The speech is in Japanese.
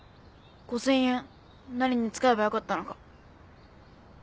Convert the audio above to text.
５０００円何に使えばよかったのか。